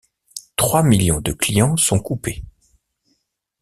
Trois millions de clients sont coupés.